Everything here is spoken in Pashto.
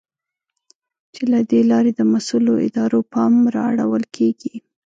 چې له دې لارې د مسؤلو ادارو پام را اړول کېږي.